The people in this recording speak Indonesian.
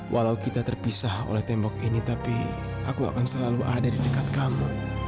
walau kita terpisah oleh tembok ini tapi aku akan selalu ada di dekat kamu